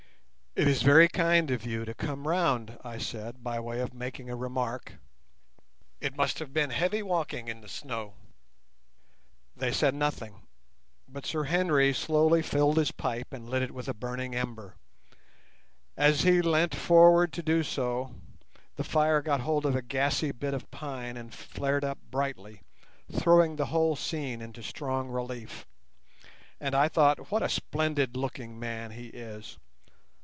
"It is very kind of you to come round," I said by way of making a remark; "it must have been heavy walking in the snow." They said nothing, but Sir Henry slowly filled his pipe and lit it with a burning ember. As he leant forward to do so the fire got hold of a gassy bit of pine and flared up brightly, throwing the whole scene into strong relief, and I thought, What a splendid looking man he is!